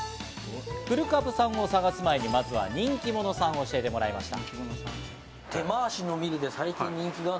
古株さんを探す前にまずは人気モノさんを教えてもらいました。